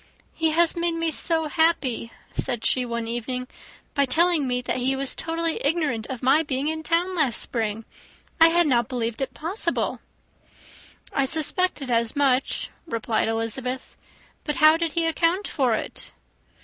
"He has made me so happy," said she, one evening, "by telling me that he was totally ignorant of my being in town last spring! I had not believed it possible." "I suspected as much," replied Elizabeth. "But how did he account for it?"